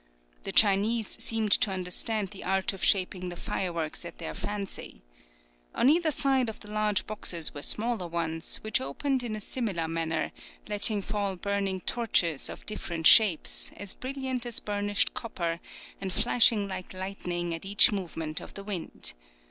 The Chinese seemed to understand the art of shaping the fireworks at their fancy. On either side of the large boxes were smaller ones, which opened in a similar manner, letting fall burning torches, of different shapes, as brilliant as burnished copper, and flashing like lightning at each movement of the wind.